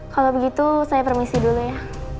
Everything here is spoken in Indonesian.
kalau begitu saya permisi dulu ya